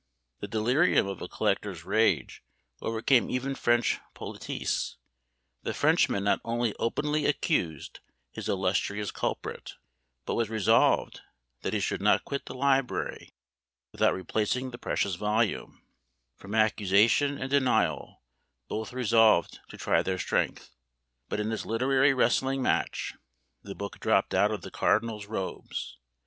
The delirium of a collector's rage overcame even French politesse; the Frenchman not only openly accused his illustrious culprit, but was resolved that he should not quit the library without replacing the precious volume from accusation and denial both resolved to try their strength: but in this literary wrestling match the book dropped out of the cardinal's robes!